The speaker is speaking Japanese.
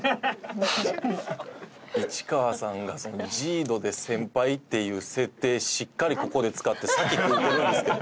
市川さんがＪＩＤＯで先輩っていう設定しっかりここで使って先食うてるんですけど。